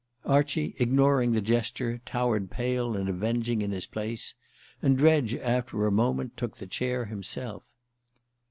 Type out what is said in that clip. Archie, ignoring the gesture, towered pale and avenging in his place; and Dredge, after a moment, took the chair himself.